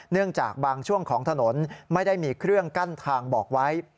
จากบางช่วงของถนนไม่ได้มีเครื่องกั้นทางบอกไว้